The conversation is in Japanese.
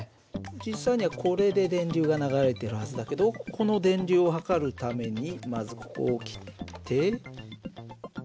実際にはこれで電流が流れてるはずだけどここの電流を測るためにまずここを切って。